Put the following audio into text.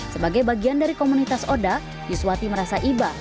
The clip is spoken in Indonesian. sebagai bagian dari komunitas oda yuswati merasa iba